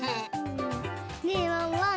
ねえワンワン